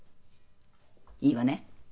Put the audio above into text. いいわね？